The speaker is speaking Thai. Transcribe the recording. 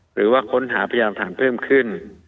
หรือว่าค้นหาพยานฐานเพิ่มขึ้น